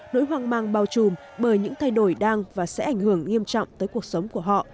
nỗi hoang mang bao trùm bởi những thay đổi đang và sẽ ảnh hưởng nghiêm trọng tới cuộc sống của họ